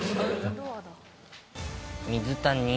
水谷。